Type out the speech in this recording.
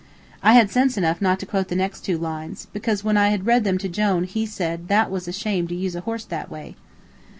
'" I had sense enough not to quote the next two lines, because when I had read them to Jone he said that it was a shame to use a horse that way.